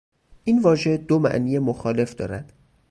این واژه دو معنی مخالف دارد.